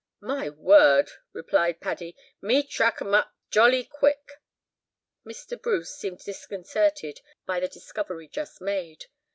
"My word!" replied Paddy, "me track um up jolly quick." Mr. Bruce seemed disconcerted by the discovery just made.